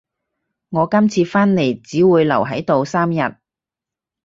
我今次返嚟只會留喺度三日